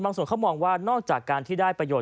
บางส่วนเขามองว่านอกจากการที่ได้ประโยชน์